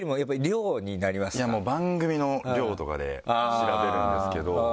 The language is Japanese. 番組の量とかで調べるんですけど。